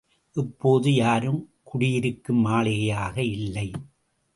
இப்போது யாரும் குடியிருக்கும் மாளிகையாக இல்லை.